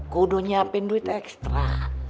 kudu nyiapin duit ekstra